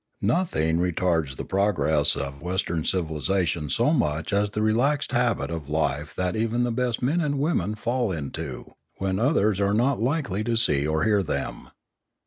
Nothing retards the progress of Western civilisation so much as the relaxed habit of life that even the best men and women fall into, when others are not likely to see or hear them.